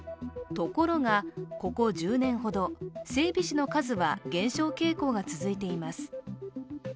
ところがここ１０年ほど、整備士の数は減少傾向が続いています。